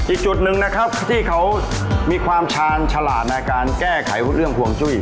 อีกจุดหนึ่งนะครับที่เขามีความชาญฉลาดในการแก้ไขเรื่องห่วงจุ้ย